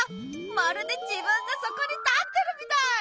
まるで自分がそこに立ってるみたい！